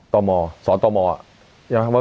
ต่อหมอศสตรมศรษฐ์